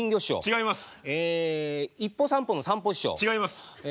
違います。